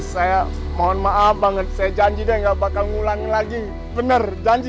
saya mohon maaf banget saya janji deh nggak bakal ngulangin lagi bener janji